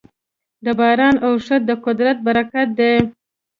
د باران اورښت د قدرت برکت دی.